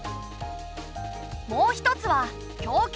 もう一つは供給量。